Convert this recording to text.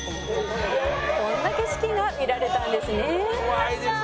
「こんな景色が見られたんですね」